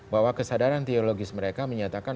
bahwa kesadaran teologis mereka menyatakan